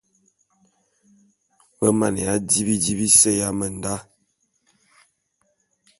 Be mane di bidi bise ya menda.